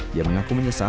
dia mengaku menyesal